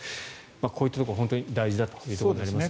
こういったところ大事だということになりますね。